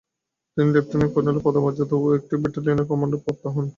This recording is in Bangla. তিনি লেফট্যানেন্ট কর্নেলের পদমর্যাদা ও একটি ব্যাটেলিয়নের কম্যান্ড প্রাপ্ত হন।